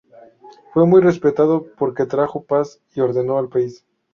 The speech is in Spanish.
Fue muy respetado porque trajo paz y orden al país.